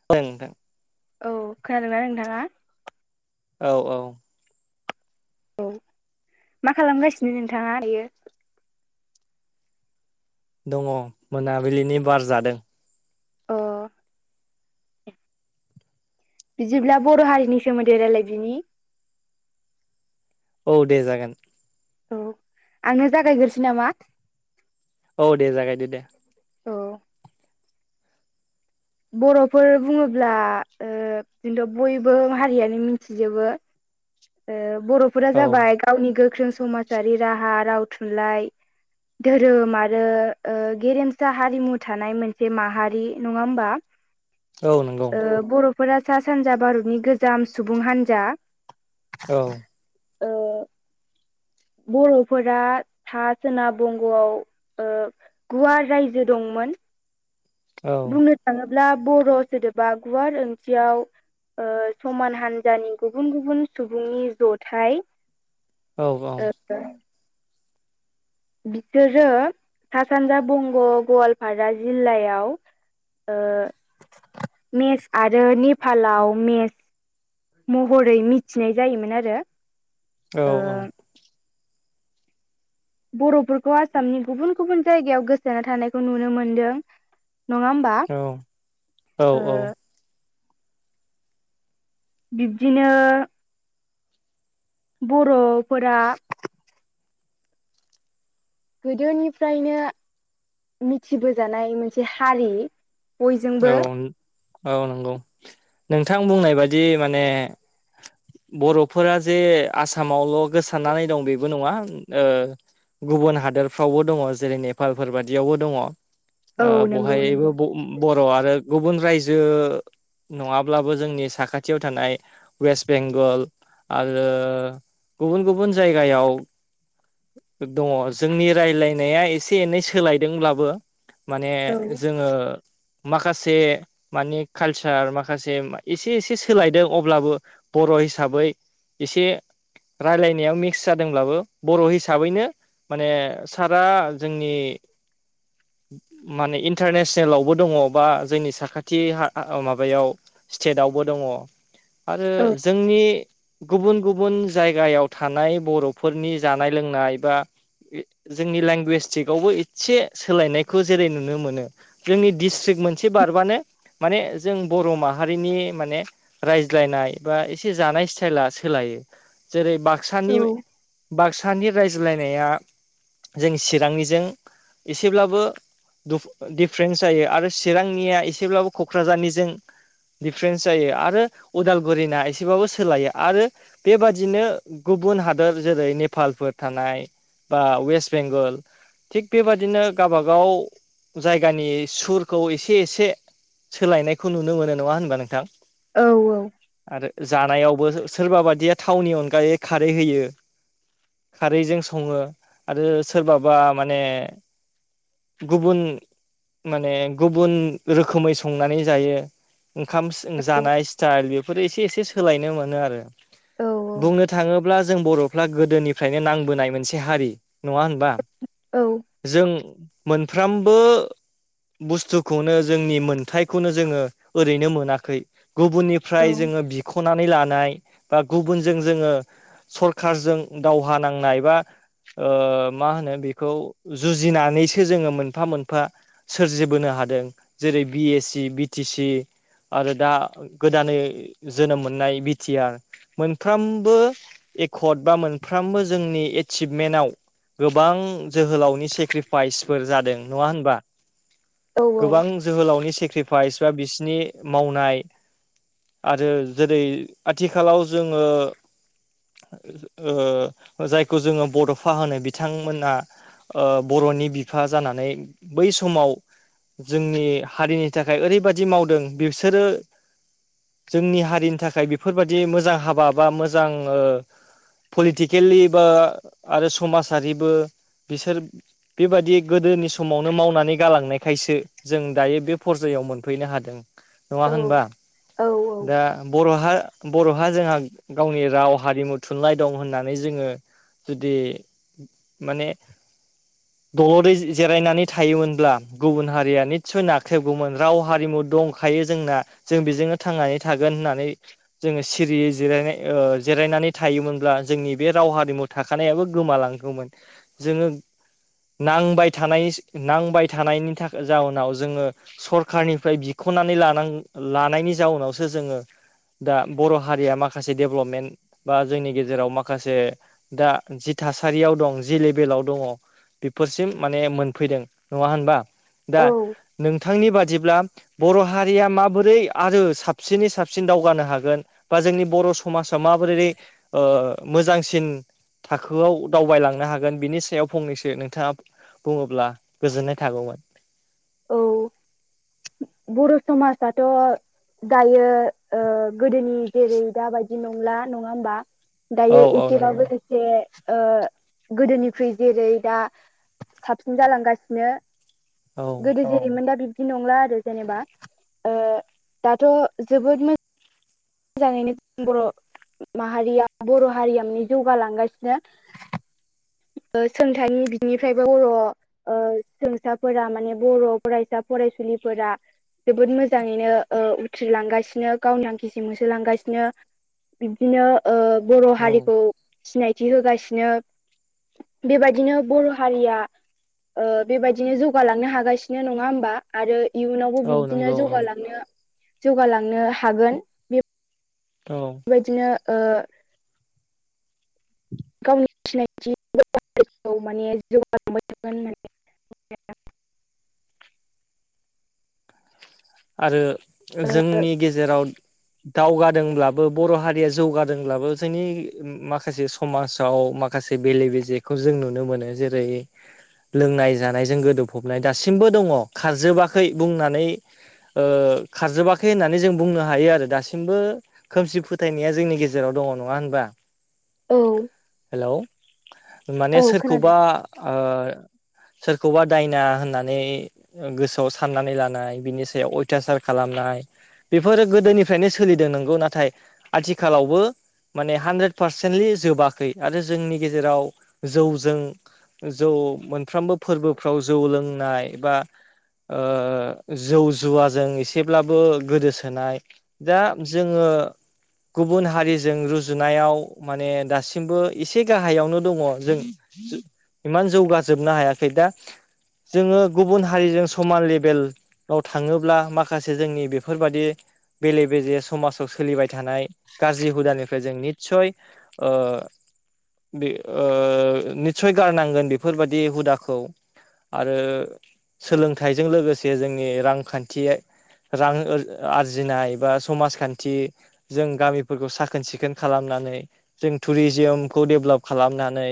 [inaudible] औ खोनादों ना नोंथांङा औ औ औ मा खालामगासिनो नोंथाङा दायो। दङ मोनाबिलिनि बार जादों। ओ बिदिब्ला बर' हारिनि सोमोन्दै रायलाय दिनि औ दे जागोन औ आंनो जागायग्रोसै नामा? औ दे जागायदो दे औ बर'फोर बुङोब्ला ओ जेन्थ' बयबो हारियानो मिथिजोबो ओ बर'फोरा औ जाबाय समाजारि राहा, राव, थुनलाइ धोरोम आरो ओ गेरेमसा हारिमु थानाय मोनसे माहारि नङा होमबा औ नंगौ ओ बर'फोरा सा-सानजा भारतनि गोजाम सुबुं हान्जा। औ ओ बर'फोरा सा- सोनाब बंग'आव ओ गुवार रायजो दंमोन। औ बुंनो थाङोब्ला बर' सोदोबा गुवार ओंथियाव ओ समान हान्जानि गुबुन गुबुन सुबुंनि जथाय औ औ [inaudible] बिसोरो सा सानजा बंग' गवालपारा जिल्लायाव ओ मेस आरो नेपालाव मेस महरै मिथिनाय जायोमोन आरो औ ओ औ बर'फोरखौ आसामनि गुबुन गुबुन जायगायाव गोसारना थानायखौ नुनो मोनदों। नङा होम औ औ औ बिब्दिनो बर'फोरा गोदोनिफ्रायनो मिथिबोजानाय मोनसे हारि। औ बयजोंबो औ नंगौ नोंथां बुंनाय बादि माने बर'फोरा जे आसामावल' गोसारनानै दं बेबो नङा। ओ गुबुन हादरफोरावबो दङ जेरै नेपालफोर बादियावबो दङ औ ओ नंगौ बहायबो नंगौ ब-बर' आरो गुबुन रायजो नङाब्लाबो जोंनि साखाथियाव थानाय अवेसबेंगल आरो गुबुन गुबुन जायगायाव दङ जोंनि रायज्लायनाया एसे एनै सोलायदोंब्लाबो माने औ जोङो माखासे माने कालसार माखासे एसे एसे सोलायदों अब्लाबो बर' हिसाबै एसे रायलायनायाव मिक्स जादोंब्लाबो बर' हिसाबैनो माने सारा जोंनि माने इनटारनेसनेलावबो दङ बा जोंनि साखाथि हा हा अ माबायाव स्टेटआवबो दङ आरो औ जोंनि गुबुन गुबु न जायगायाव थानाय बर'फोरनि जानाय लोंनाय बा जोंनि लेंगुवसटिकआवबो एसे सोलायनायखौ जेरै नुनो मोनो जोंनि दिडिस्ट्रिक्ट मोनसे बारबानो माने जों बर' माहारिनि माने रायज्लायनाय बा एसे जानाय स्टाइला सोलायो जेरै बाक्सानि औ बाक्सानि रायज्लायनाया जों चिरांनिजों एसेब्लाबो दुख दिडफारेन्स जायो आरो चिरांनिया एसेब्लाबो कक्राझारनिजों दिडफारेन्स जायो आरो उदालगुरिना एसेबाबो सोलायो आरो बेबादिनो गुबुन हादर जेरै नेपालफोर थानाय बा वेस्ट बेंगल थिग बेबादिनो गाबागाव जायगानि सुरखौ एसे एसे सोलायनायखौ नुनो मोनो नङा होनबा नोंथां औ औ आरो जानायावबो सोरबा बादिया थावनि अनगायै खारै होयो खारैजों सङो आरो सोरबाबा माने गुबुन माने गुबुन रोखोमै संनानै जायो ओंखाम औ जानाय स्टाइल बेफोर एसे एसे सोलायनो मोनो आरो औ बुंनो थाङोब्ला जों बर' फ्रा गोदोनिफ्रायनो नांबोनाय मोनसे हारि नङा होनबा औ जों मोनफ्रामबो बुस्थुखौनो जोंनि मोन्थायखौनो जोङो ओरैनो मोनाखै गुबुननि फ्राय जोङो बिख'नानै लानाय बा गुबुनजों जोङो सरखारजों दावहा नांनाय बा ओ मा होनो बेखौ जुजिनानैसो जोङो मोनफा मोनफा सोरजिबोनो हादों जेरै बि एस सि, बि टि सि आरो दा गोदानै जोनोम मोननाय बि टि आर मोनफ्रोमबो एकर्ड बा मोनफ्रोमबो जोंनि एसिभमेन्टाव गोबां जोहोलावनि सेक्रिफाइसफोर जादों नङा होनबा गोबां जोहोलावनि सेक्रिफाइस बा बिसिनि मावनाय आरो जेरै आथिखालाव जोङो ओ जायखौ जोङो बड'फा होनो बिथांमोना ओ बर'नि बिफा जानानै बै सम समाव जोंनि हारिनि थाखाय ओरैबादि मावदों बिसोरो जोंनि हारिनि थाखाय बेफोरबायदि मोजां हाबा बा मोजां ओ पलिटिकेलिबा आरो समाजारिबो बिसोर बेबायदि गोदोनि समावनो मावनानै गालांनायखायसो जों दायो बे फरजायाव मोनफैनो हादों। नङा होनबा औ दा बर'हा बर'हा जोंहा गावनि राव हारिमु थुनलाइ दं होननानै जोंङो जुदि माने दलरै जिरायनानै थायोमोन ब्ला गुबुन हारिया निसय नाख्रेबगौमोन राव हारिमु दंखायो जोंना जों बेजोंनो थांनानै थागोन होननानै जोंङो सिरियै जिरायनाय जिरायनानै थायोमोनब्ला जोंनि बे राव हारिमु थाखानायाबो गोमालांगौमोन जोंङो नांबाय थानाय नांबाय थानायनि थाखाय जाउनाव जोंङो सरखारनिफ्राय बिख'नानै लानां लानायनि जाउनावसो जोंङो दा बर' हारिया माखासे दडेभेलपमेन्ट बा जोंनि गेजेराव माखासे दा जि थासारियाव दं जि लेभेलाव दङ बेफोरसिम माने मोनफैदों नङा होनबा दा औ नोंथांनि बादिब्ला बर' हारिया माबोरै आरो साबसिनै साबसिन दावगानो हागोन बा जोंनि बर' समाजा माबोरै ओ मोजांसिन थाखोआव दावबायलांनो हागोन बिनि सायाव फंनैसो नोंथाङा बुङोब्ला गोजोननाय थागौमोन। औ बर' समाजाथ' दायो गोदोनि जेरै दाबायदि नंला नङा होमबा औ दायो औ एसे नंगौ बाबो ए ओ गोदोनिख्रुइ जेरै दा साबसिन जालांगासिनो। औ गोदो जेरैमोन दा बिब्दि नंला आरो जेनेबा ओ दाथ' जोबोद मो जाङैनो बर' माहारिया बर' हारिया जौगालांगासिनो सोंथानि बिनिफ्रायबो बर' ओ सोंसाफोरा माने बर' फरायसा फरायसुलिफोरा जोबोद मोजाङैनो उथ्रिलांगासिनो गावनि होसोलांगासिनो बिब्दिनो बर' औ हारिखौ सिनायथि होगासिनो बेबायदिनो बर' हारिया ओ बेबायदिनो जौगालांनो हागासिनो नङा होमबा। आरो इयुनावबो औ बिबदिनो नंगौ औ जौगालांनो जौगालांनो हागोन औ बेबायदिनो ओ गावनि सिनायथि माने जौगानो लांबाय थागोन होननानै आरो जोंनि गेजेराव दावगादोंब्लाबो बर' हारिया जौगादोंब्लाबो जोंनि माखासे समाजाव माखासे बेले बेजेखौ जों नुनो मोनो जेरै लोंनाय जानायजों गोदोफबनाय दासिमबो दङ खारजोबाखै बुंनानै ओ खारजोबाखै होननानै जों बुंनो हायो आरो दासिमबो खोमसि फोथायनाया जोंनि गेजेराव दङ नङा होनबा औ हेलौ माने औ सोरखौबा खोनादों सोरखौबा दायना होननानै गोसोआव साननानै लानाय बिनि सायाव अथासार खालामनाय बेफोरो गोदोनिफ्रायनो सोलिदों नंगौ नाथाय आथिखालावबो माने हानद्रेद पार्सेन्टलि जोबाखै आरो जोंनि गेजेराव जौजों जौ मोनफ्रोमबो फोरबोफ्राव लोंनाय बा ओ जौ जुवाजों एसेब्लाबो गोदोसोनाय दा जोंङो गुबुन हारिजों रुजुनायाव माने दासिमबो एसे गाहायावनो दङ जों इमान जौगाजोबनो हायाखै दा जोंङो गुबुन हारिजों समान लेभेल थाङोब्ला माखासे जोंनि बेफोरबायाददि बेले बेजे समाज सोलिबाय थानाय गाज्रि हुदानिफ्राय जों निस्सय ओ बे ओ निस्सय गारनांगोन बेफोरबायाददि हुदाखौ आरो सोलोंथाइजों लोगोसे जोंनि रांखान्थि रां ओर आरजिनाय बा समाजखान्थि जों गामिफोरखौ साखोन सिखोन खालामनानै जों टुरिजिमखौ डेभलप खालामनानै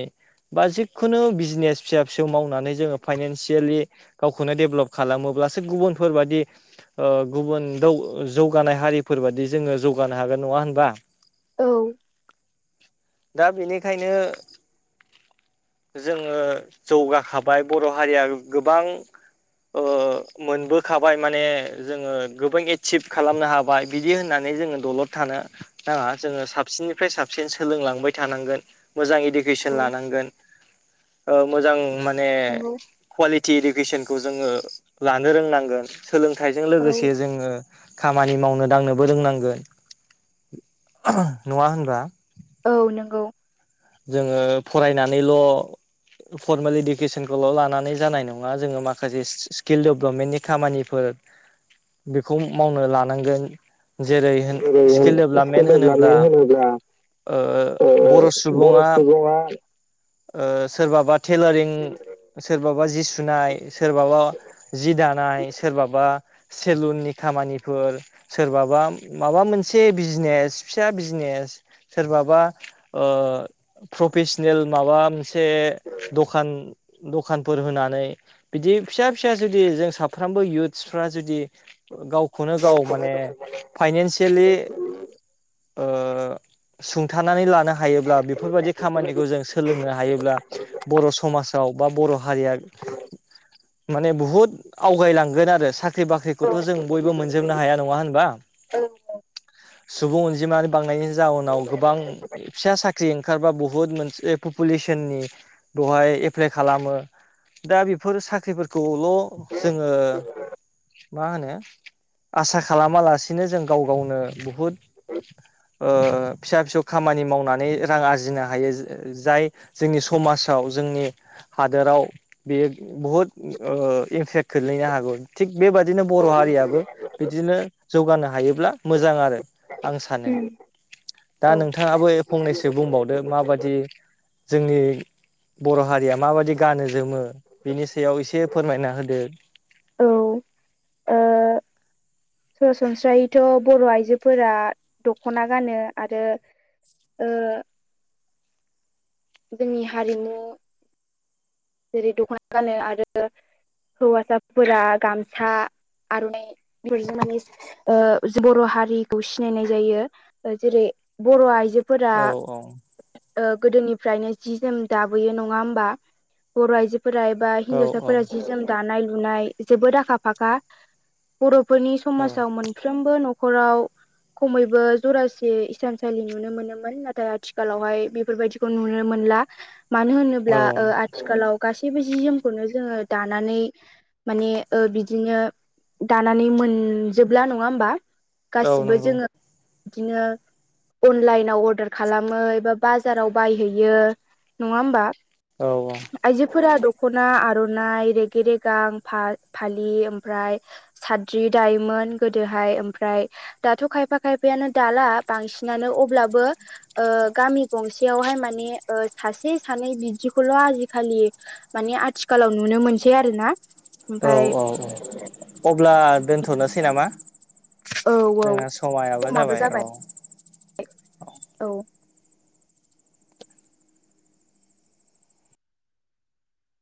बा जिखुनु बिजनेस फिसा फिसौ मावनानै जोंङो फाइनानसियेलि गावखौनो डेभलप खालामोब्लासो गुबुनफोरबायदि ओ गुबुन दौ जौगानाय हारिफोर बादि जोंङो जौगानो हागोन नङा होनबा? औ। दा बिनिखायनो जोंङो जौगाखाबाय बर' हारिया गोबां ओ मोनबोखाबाय माने जोंङो गोबां एचिभ खालामनो हाबाय। बिदि होननानै जोङो दलद थानो नाङा जोंङो साबसिननिफ्राय साबसिन सो लोंलांबाय थानांगोन, मोजां इडुकेसन औ लानांगोन, ओ मोजां मान ने नंगौ कुवालिटि इडुकेसनखौ जोंङो लानो रोंनांगोन। सोलोंथाइजों औ लोगोसे जोंङो खामानि मावनो दांनोबो रोंनांगोन, नङा होनबा? औ नंगौ। जोंङो फरायनानैल' फरमेल इडुकेसनखौल' लानानै जानाय नङा जोंङो माखासे स्किल डेभेलपमेन्टनि खामानि फोर बेखौ मावनो लानांगोन। जेरै होन स्किल स्किल दडेभेलपमेन्ट होनोब्ला डेभेलपमेन्ट होनोब्ला ओ बर' सु सुबुङा ओ सोरबाबा थेलारिं, सोरबाबा जि सुनाय, सोरबाबा जि दानाय, सोरबाबा सेलुननि खामानिफोर सोरबाबा माबा मोनसे बिजनेस फिसा बिजनेस सोरबाबा ओ प्रफेसनेल माबा मोनसे दखान दखानफोर होनानै बिदि फिसा फिसा जुदि जों साफ्रोमबो यिउथ्सफ्रा जुदि गावखौनो गाव माने फाइनेनसियेलि ओ सुंथानानै लानो ह हायोब्ला बे बेफोरबायदि खामानिखौ जों सोलोंनो हायोब्ला बर' समाजाव बा बर' हारिया [inaudible] माने बुहुद आवगायलांगोन आरो सा ख्रि औ बाख्रिखौथ' जों बयबो मोनजोबनो हाया नङा होनबा? सुबुं अनजिमा बांनायनि जाउनाव गोबां फिसा साख ख्रि ओंखारबा बुहुत मोनसे पपुलेसननि ब'हाय एप्लाइ खालामो दा बेफोर साख्रिफोरखौल' जोङो मा होनो आसा खालामालासिनो जों गाव गावनो बुहुद ओ फिसा फिसौ खामानि मावनानै रां आरजिनो हायो जाय जोंनि समाजाव जोंनि हादोराव बेयो बुहुद ओ इमपेक्ट ख्लैनो हागौ। थिग बेबादिनो बर' हारियाबो बिदिनो जौगानो हायोब्ला मोजां आरो। आं सानो, औ औ दा नोंथाङाबो फंनैसो बुंबावदो माबादि जोंनि बर' हारिया माबादि गानो जोमो बिनि सायाव एसे फोरमायना होदो। औ ओ सरासनस्रायैथ' बर' आइजोफोरा दख'ना गानो आरो ओ जोंनि हारिमु जेरै दख'ना गानो आरो हौवासाफोरा गामसा आर'नाइ [unintelligible] ओ बर' हारिखौ सिनायनाय जायो जेरै बर' आइजो फोरा औ गोदोनिफ्रायनो जि जोम दाबोयो नङा होमबा बर' आइजोफोरा एबा औ हिन्जावसाफोरा जि जोम दानाय लुनाय जोबोद आखा फाखा बर'फोरनि औ समाजाव मोनफ्रोमबो न'खराव खमैबो जरासे इसानसालि नुनो मोनोमोन नाथाय आथिखालावहाय बेफोरबायदि नुनो मोनला मानो होनोब्ला औ लाव गासैबो जि जोमखौनो जोङो दानानै माने बिदिनो दानानै मोनजोबला नङा होमबा औ गासिबो नंगौ जोङो बिदिनो अनलाइनाव अर्दार खालामो एबि बाजाराव बायहैयो नङा होनबा? औ औ आइजोफोरा दख'ना आर'नाइ रेगे रेगां फा फालि ओमफ्राय साद्रि दायोमोन गोदोहाय ओमफ्राय दाथ' खायफा खायफायानो दाला बांसिनानो अब्लाबो ओ गामि गंसेयावहाय माने ओ सासे सानै बिदिखौल' आजि खालि माने आथिखालाव नुनो मोनसै आरो ना औ औ औ अब्ला दोनथ'नोसै नामा? औ जो औ समायाबो जाबाय औ औ